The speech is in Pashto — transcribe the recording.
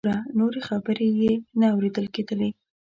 ګوره…. نورې خبرې یې نه اوریدل کیدلې.